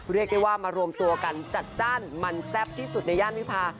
เรียกได้ว่ามารวมตัวกันจัดจ้านมันแซ่บที่สุดในย่านวิพา